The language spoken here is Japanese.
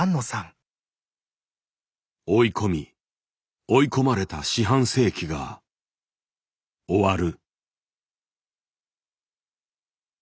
追い込み追い込まれた四半世紀が終わる。